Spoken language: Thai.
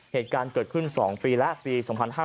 เหตุการณ์เกิดขึ้น๒ปีและปี๒๕๕๙